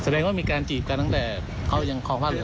แสดงว่ามีการจีบกันตั้งแต่เขายังคลองบ้านเลย